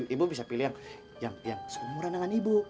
ibu bisa pilih yang seumuran dengan ibu